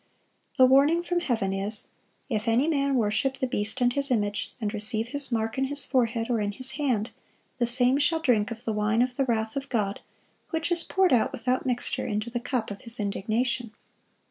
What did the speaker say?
The warning from heaven is, "If any man worship the beast and his image, and receive his mark in his forehead, or in his hand, the same shall drink of the wine of the wrath of God, which is poured out without mixture into the cup of His indignation."